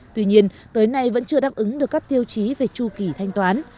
tuy nhiên tới nay vẫn chưa đáp ứng được các tiêu chí về chu kỳ thanh toán